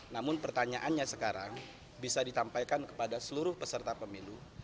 namun pertanyaannya sekarang bisa ditampaikan kepada seluruh peserta pemilu